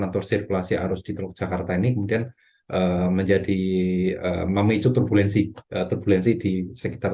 atau sirkulasi arus di teluk jakarta ini kemudian menjadi memicu turbul turbulensi di sekitar